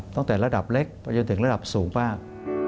ตั้งแต่ระดับเล็กไปจนถึงระดับสูงมาก